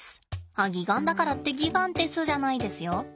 あっ擬岩だからってギガンテスじゃないですよ。